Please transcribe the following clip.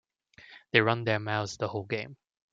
They run their mouths the whole game.